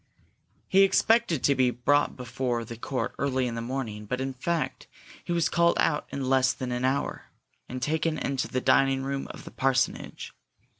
He expected to be brought before the court early in the morning but, in fact, he was called out in less than an hour, and taken into the dining room of the parsonage.